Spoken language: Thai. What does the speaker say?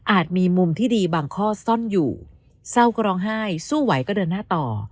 มีมุมที่ดีบางข้อซ่อนอยู่เศร้าก็ร้องไห้สู้ไหวก็เดินหน้าต่อ